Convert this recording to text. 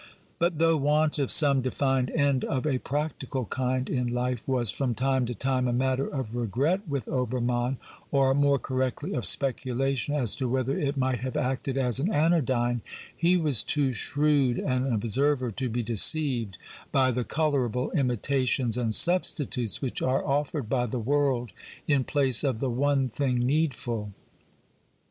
But though want of some defined end of a practical kind in life was from time to time a matter of regret with Obermann, or, more cor rectly, of speculation as to whether it might have acted as an anodyne, he was too shrewd an observer to be deceived by the colourable imitations and substitutes which are offered by the world in place of the one thing needful.